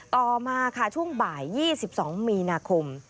ต่อมาค่ะช่วงบ่าย๒๒มีนาคม